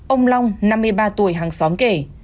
ông long năm mươi ba tuổi hàng xóm kể